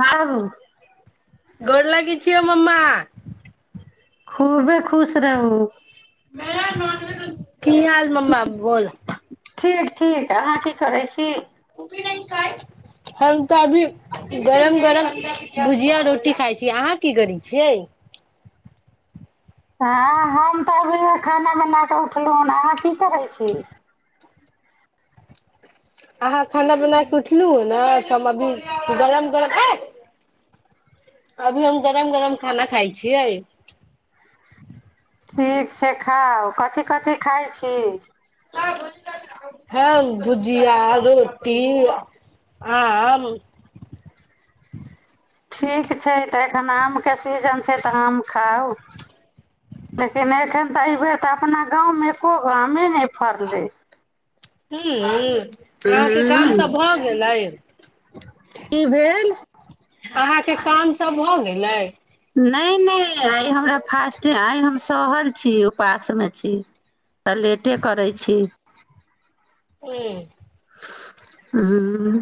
हां हौ। गोर लगै छियो मम्मा। खूबे खुश रहु। की हाल मम्मा बोला? ठीक-ठीक अहाँ की करै छी। हम तऽ अभी गरम-गरम भुजिया-रोटी खाइ छी, अहाँ की करै छियै? हां हम तऽ अभीए खाना बना कऽ उठलौ हन, अहाँ की करै छी? अहाँ खाना बना के उठलू हें न तऽ हम अभी गरम-गरम ऐ अभी हम गरम-गरम खाना खाइ छियै। ठीक छै खाउ, कथी-कथी खाइ छी? हम भुजिया-रोटी आम। ठीक छै तऽ एखन आमके सीजन छै तऽ आम खाउ। लेकिन एखन तऽ एबेर तऽ अपना गाँवमे एकोगो आमे नै फड़लै। हूँ अहाँके काम सब भऽ गेलै? की भेल अहाँके काम सब भऽ गेलै? नै-नै आइ हमरा फास्ट हय, आय हम सहल छी, उपासमे छी। तऽ लेटे करै छी। हुं। हुं।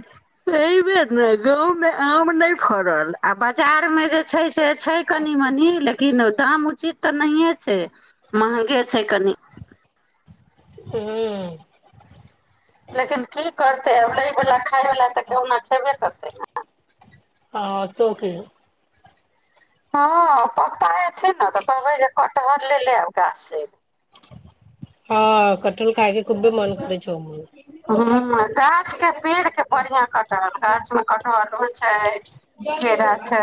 अइ बेर नै गाँवमे आम नै फड़ल आ बाजार मे जे छै से छै कनि-मनी लेकिन दाम उचित तऽ नहिए छै। महगे छै कनि। हूं। लेकिन की करतै लै वला, खाय बला तऽ कहुना खेबे करतै नै। आ तो की हां पप्पा एथिन नै तऽ कहबै जे कटहर ले ले आउ गाछ से। हां कटहल खायके खुबे मोन करै छौ हमरो। हां गाछके पेड़के बढ़िया कटहर गाछमे कटहर होइ छै। केरा छै,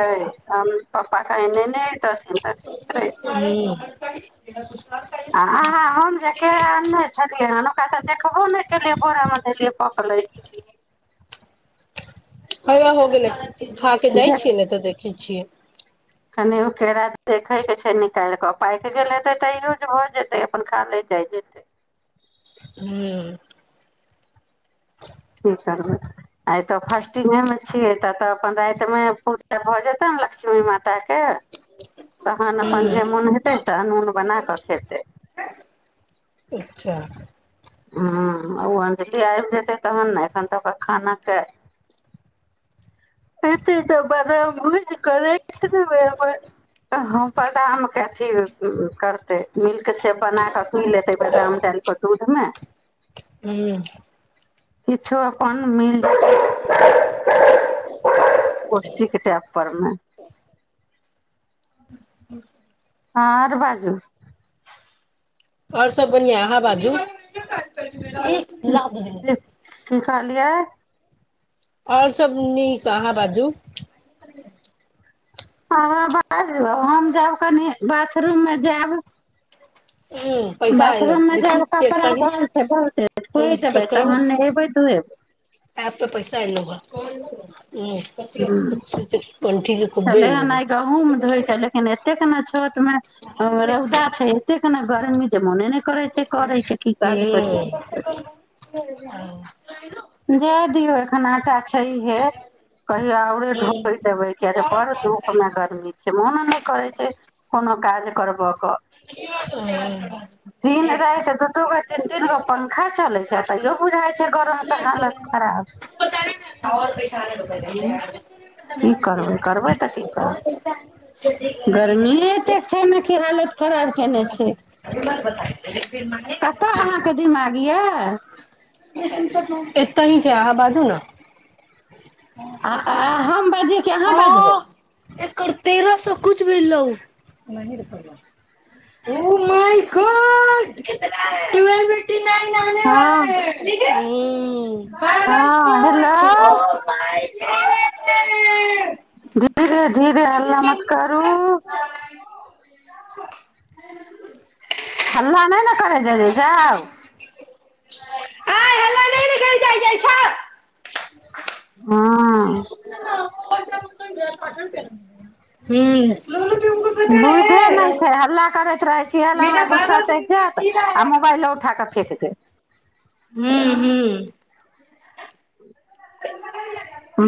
आम पप्पा कै नेने एतथिन तऽ ठीक रहितै हूं। आ हम जेे केरा अन ने छलियै हन, ओकरा तऽ देखबो नै केलियै बोरा में धेलियै पकले की कि। हैया हो गेलै खा के जाइ छियै ने तऽ देखै छियै। कनि ओ केरा देखे के छै, निकालि कऽ पाकि गेल हते तऽ यूज भऽ जेतेै अपन खा लै जाय जेतेै। हूँ। कि करबे। आइ तऽ फास्टिगें में छियै, त तऽ अपन रातिमे पूजा भऽ जेतनि ने लक्ष्मी माताके। तहन अपन जे हूं मोन हेतै से अनून बना कऽ खेतै। अच्छा। ह ओ अंजली आयब जेतै तहन ने, एखन तऽ ओकर खाना के। एतै तऽ बदाम भुइज क रैख देबै अपन। बादाम के अथी करतै मिल्क सेप बना कऽ की लेतेै बादाम डालि कऽ। दूध में। हूं। किछो अपन मिल पौष्टिक टैप पर में। हँ आर बाजू। और सब बनिहा आहाँ बाजू। की कहलिये। और सब नीक, अहाँ बाजू। हँ बाजू हम जायब कनि बाथरूम मे जायब। हूं पैसा एलौ बाथरूम मे देखू जाब चेक कपड़ा करू धोल छै बहुते, फोन कहि चेक देबै करू तहन नेहेबै-धूएबै। ऐप पर पैसा एलौ हे हूं। छलै एलौ हन आइ गहूँम धोयके लेकिन एतेक ने छत में रौदा छै एतेक ने गर्मी जे मोने नै करै छै, करके की काज करू हँ नै करू। जाय दियऔ एखन आटा छैहियै कहियो औरे हूं धोबै। देबै किया जे बड़ धूपमे गर्मी छै, मोन नै करै छै कोनो काज करबय कऽ। हूं। दिन -राति दू -दू गो तीन -तीन गो पंखा चलै छै तैयो बुझाइ छै गरम से हालत खराब। [inaudible] हु की करबै, करबै तऽ की करबै। गर्मीये एतेक छै ने कि हालत खराब केने छै [unintelligible] कदीमा लिया। एतही छै अहाँ बाजू न। आ आ हम बाजियै कि अहाँ बाजबै हाँ। एकर तेरह सौ कुछ भेलो। ओ मइ गॉड कितना [unintelligible] नाइन हाँ। हूँ। हाँ हेलो। धीरे- धीरे हल्ला मत करू। हल्ला ने-ने करे जाय- जाय-जाउ। [unintelligible] [inaudible] हँ [unintelligible] बुइधे ने छैय हल्ला करै करैत‌ रहै छी इहै लै हमरा गुस्सा चैढ़ जैत, आ मोबाइलो उठाकऽ फेक देब। हुँ- हूँ।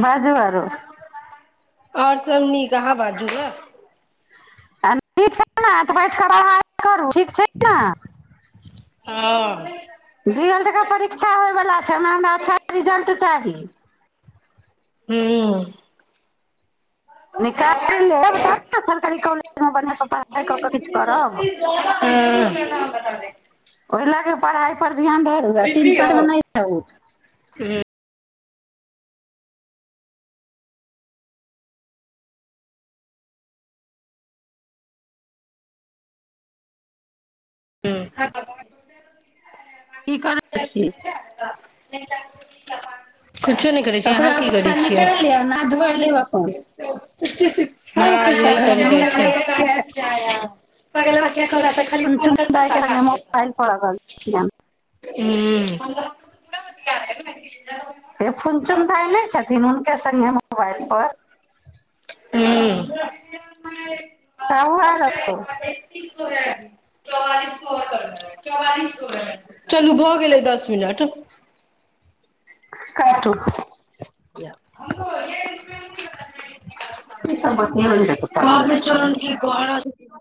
बाजू आरो। और सब नीक अहाँ बाजू न। । [unintelligible] हँ डी एल्ड क परीक्षा होइवला छैय, ओइ म हमरा अच्छा रिजल्ट चाही। हूँ। निकाल लेब तब ने सरकारी कॉलेजमे बढ़िआँ स पढ़ाइ कऽ -कऽ किछ करब। [inaudible] ओहि लऽ कऽ पढ़ाइ पर ध्यान धरू तीन पस नहि रहू। हूँ। [unintelligible] की करै छी [unintelligible] कुछो ने करै छियै अहाँ कपड़ा की करै उपड़ा छियै। निकालि लिअ ना धोइ लेब अपन हम हाँ की यही करबै करै जाइ हमरा छैय। एहि । [unintelligible] नाइन परहल रहल छीयन ह्मु [inaudible] हेए फुन चुन भाय ने छथिन हुनके संगे मोबाइल पर। । [inaudible] [unintelligible] [unintelligible] चलू भऽ गेलै दस मिनट। काटू। [unintelligible] सब बतियेबै [unintelligible]